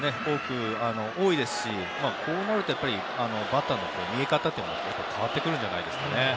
多いですしこうなると、やっぱりバッターの見え方というのは変わってくるんじゃないですか。